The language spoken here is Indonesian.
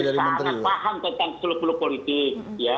jadi sangat paham tentang seluruh seluruh politik